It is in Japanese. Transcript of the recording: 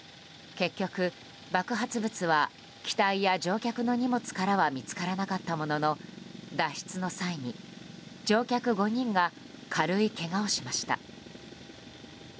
結局、爆発物は機体や乗客の荷物からは見つからなかったものの脱出の際に乗客５人が軽いけがをしました。